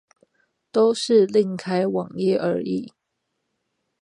都是另開網頁而已